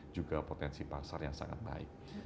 juga potensi pasar yang sangat baik